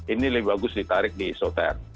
ini lebih bagus ditarik di isoter